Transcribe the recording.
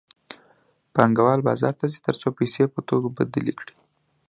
پانګوال بازار ته ځي تر څو پیسې په توکو بدلې کړي